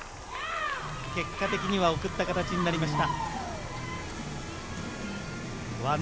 結果的には送った形になりました。